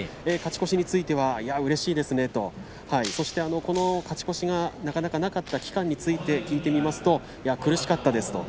勝ち越しについてはうれしいですねと勝ち越しがなかなかなかった期間について聞いてみますと苦しかったです。